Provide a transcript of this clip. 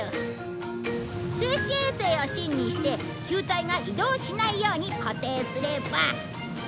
静止衛星を芯にして球体が移動しないように固定すれば。